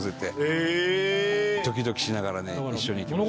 ドキドキしながらね一緒に行きました。